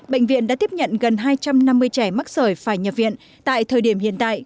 bệnh viện đã tiếp nhận gần hai trăm năm mươi trẻ mắc sởi phải nhập viện tại thời điểm hiện tại